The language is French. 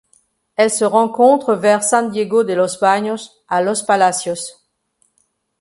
Elle se rencontre vers San Diego de los Baños à Los Palacios.